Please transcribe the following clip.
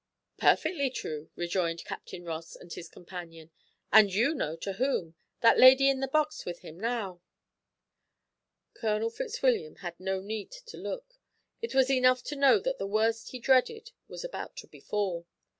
"Perfectly true," rejoined Captain Ross and his companion, "and you know to whom that lady in the box with him now." Colonel Fitzwilliam had no need to look; it was enough to know that the worst he dreaded was about to befall.